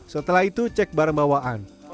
setelah itu cek barang bawaan